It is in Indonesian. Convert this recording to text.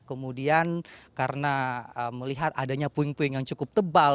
kemudian karena melihat adanya puing puing yang cukup tebal